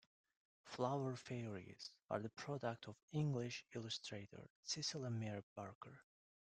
Flower Fairies are the product of English illustrator Cicely Mary Barker.